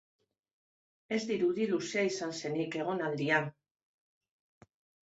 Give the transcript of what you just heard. Ez dirudi luzea izan zenik egonaldia.